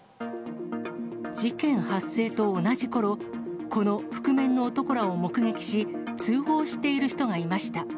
事件発生と同じころ、この覆面の男らを目撃し、通報している人がいました。